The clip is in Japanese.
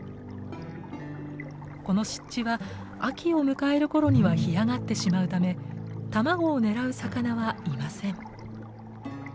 この湿地は秋を迎える頃には干上がってしまうため卵を狙う魚はいません。